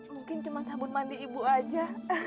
mungkin cuma sabun mandi ibu aja